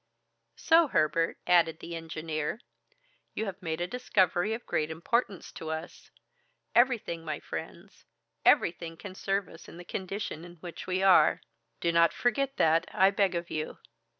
"So, Herbert," added the engineer, "you have made a discovery of great importance to us. Everything, my friends, everything can serve us in the condition in which we are. Do not forget that, I beg of you."